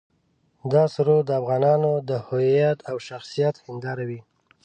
دا سرود د افغانانو د هویت او شخصیت هنداره وي.